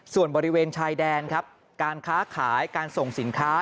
ส่วนบริเวณชายแดนครับการค้าขายการส่งสินค้า